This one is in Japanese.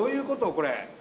これ。